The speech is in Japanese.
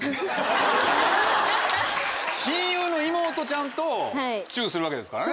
親友の妹ちゃんとチューするわけですからね。